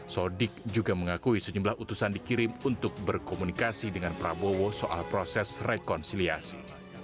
sodik juga mengakui sejumlah utusan dikirim untuk berkomunikasi dengan prabowo soal proses rekonsiliasi